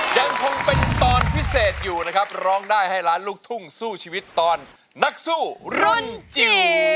ยังคงเป็นตอนพิเศษอยู่นะครับร้องได้ให้ล้านลูกทุ่งสู้ชีวิตตอนนักสู้รุ่นจิ๋ว